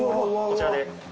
こちらで。